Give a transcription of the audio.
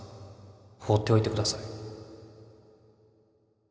放っておいてください